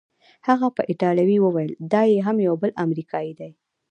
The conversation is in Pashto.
هغه په ایټالوي وویل: دا یې هم یو بل امریکايي دی.